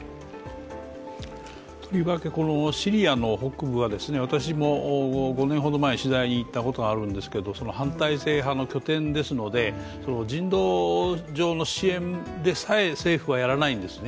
とりわけシリアの北部は私も５年ほど前、取材に行ったことがあるんですけど反体制派の拠点ですので、人道上の支援でさえ、政府はやらないんですね。